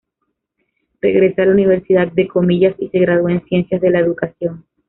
Regresa a la Universidad de Comillas y se graduó en Ciencias de la Educación.